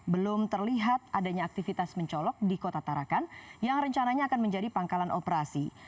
belum terlihat adanya aktivitas mencolok di kota tarakan yang rencananya akan menjadi pangkalan operasi